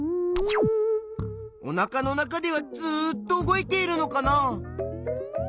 おなかの中ではずっと動いているのかな？